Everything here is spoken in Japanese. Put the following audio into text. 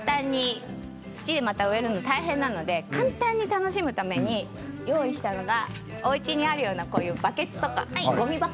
土にまた植えるのは大変なので簡単に楽しむために用意したのがおうちにあるようなバケツとか、ごみ箱